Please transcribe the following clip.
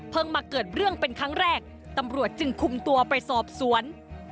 มาเกิดเรื่องเป็นครั้งแรกตำรวจจึงคุมตัวไปสอบสวน